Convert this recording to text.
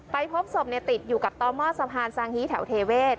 พบศพติดอยู่กับต่อหม้อสะพานซางฮีแถวเทเวศ